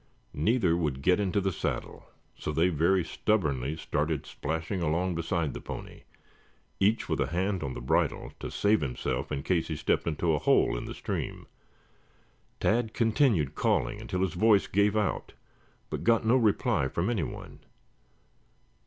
Neither would get into the saddle, so they very stubbornly started splashing along beside the pony, each with a hand on the bridle to save himself in case he stepped into a hole in the stream. Tad continued calling until his voice gave out, but got no reply from anyone.